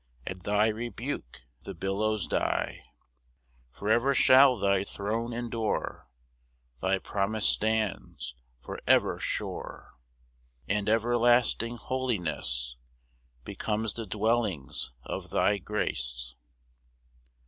At thy rebuke the billows die. 4 For ever shall thy throne endure; Thy promise stands for ever sure; And everlasting holiness Becomes the dwellings of thy grace.